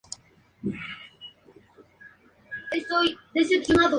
El pico es color rojo y en el extremo superior posee un tinte amarillo.